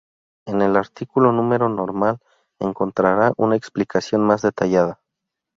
En el artículo número normal encontrará una explicación más detallada.